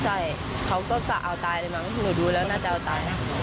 ใช่เขาก็กะเอาตายเลยมั้งหนูดูแล้วน่าจะเอาตายนะ